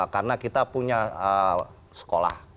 karena kita punya sekolah